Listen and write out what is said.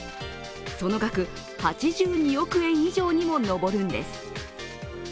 その額、８２億円以上にも上るんです